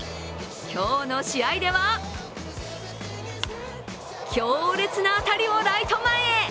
今日の試合では強烈な当たりをライト前へ。